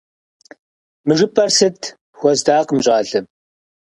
— Мы жыпӀэр сыт? — хуэздакъым щӀалэм.